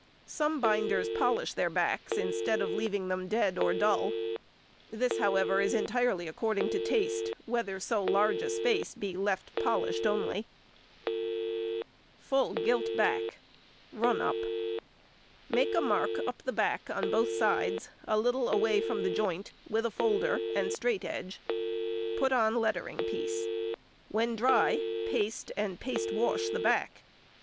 Some binders polish their backs instead of leaving them dead or dull. This, however, is entirely according to taste, whether so large a space be left polished only. [Illustration: Samples of Backs suitable for Calf Work.] Full Gilt Back.—Run up. Make a mark up the back on both sides a little away from the joint with a folder and |139| straight edge. Put on lettering piece. When dry, paste and paste wash the back.